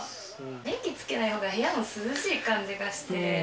電気つけないほうが、部屋も涼しい感じがして。